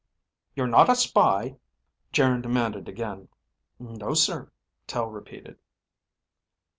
"You're not a spy?" Geryn demanded again. "No, sir," Tel repeated.